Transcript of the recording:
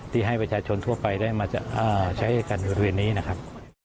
ที่ให้ประชาชนทั่วไปได้มาใช้กันบริเวณนี้นะครับ